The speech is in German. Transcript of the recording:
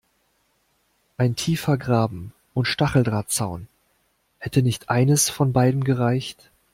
Ein tiefer Graben und Stacheldrahtzaun – hätte nicht eines von beidem gereicht?